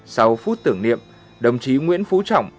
sau phút tưởng niệm đồng chí nguyễn phú trọng